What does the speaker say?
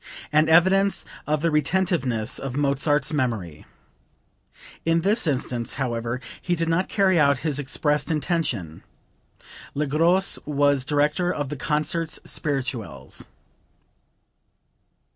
An evidence of the retentiveness of Mozart's memory. In this instance, however, he did not carry out his expressed intention. Le Gros was director of the Concerts spirituels.)